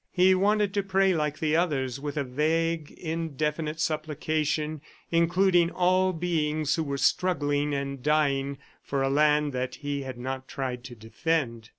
He wanted to pray like the others, with a vague, indefinite supplication, including all beings who were struggling and dying for a land that he had not tried to defend.